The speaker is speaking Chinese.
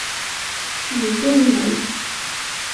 许洞人。